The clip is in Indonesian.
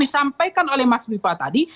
saya sampaikan oleh mas pipa tadi